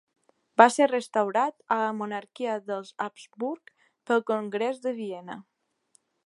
Va ser restaurat a la monarquia dels Habsburg pel congrés de Viena.